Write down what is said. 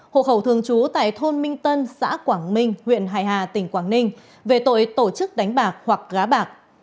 hộ khẩu thường trú tại thôn minh tân xã quảng minh huyện hải hà tỉnh quảng ninh về tội tổ chức đánh bạc hoặc gá bạc